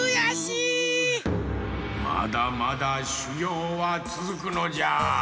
まだまだしゅぎょうはつづくのじゃ。